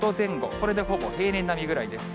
これでほぼ平年並みぐらいです。